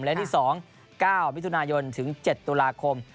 และที่๒๙มิถุนายนถึง๗ตุลาคม